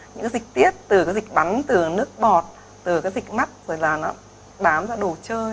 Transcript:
những cái dịch tiết từ cái dịch bắn từ nước bọt từ cái dịch mắc rồi là nó bám ra đồ chơi